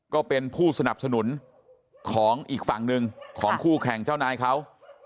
ก็เป็นผู้สนับสนุนของอีกฝั่งหนึ่งของคู่แข่งเจ้านายเขา